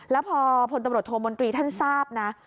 แล้วพอพลตำรวจโทมนตรีท่านทราบนะ